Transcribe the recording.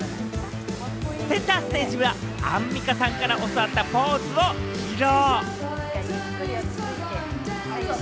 センターステージへはアンミカさんから教わったポーズを披露。